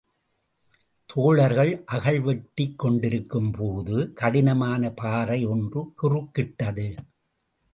தோழர்கள் அகழ் வெட்டிக் கொண்டிருக்கும் போது கடினமான பாறை ஒன்று குறுக்கிட்டது.